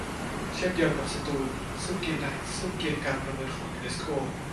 เช่นเดียวกับสตูล ซึ่งเกณฑ์การประเมินของยูเนสโก